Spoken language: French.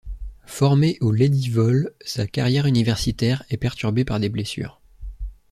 Formée aux Lady Vols, sa carrière universitaire est perturbée par des blessures.